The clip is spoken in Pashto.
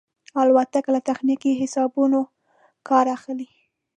الوتکه له تخنیکي حسابونو کار اخلي.